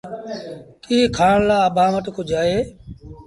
ڪيٚ کآڻ لآ اڀآنٚ وٽ ڪجھ اهي؟